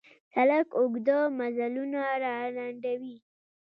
سړک اوږده مزلونه را لنډوي.